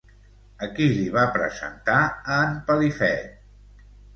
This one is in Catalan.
A qui li va presentar a en Pelifet?